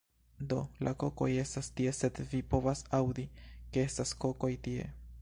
Do, la kokoj estas tie sed vi povas aŭdi, ke estas kokoj tie